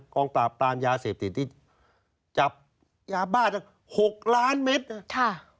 กองตราบตามยาเสพติดที่จับยาบ้า๖ล้านเมตร